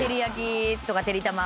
てりたま。